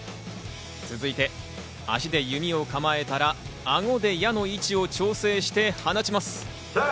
続いて足で弓を構えたらあごで矢の位置を調整して放ちます。